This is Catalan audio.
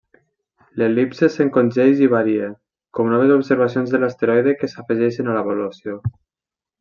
L'el·lipse s'encongeix i varia, com noves observacions de l'asteroide que s'afegeixen a l'avaluació.